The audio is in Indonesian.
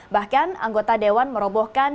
bahkan anggota dewan merobohkan